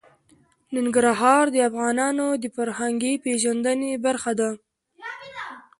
ننګرهار د افغانانو د فرهنګي پیژندنې برخه ده.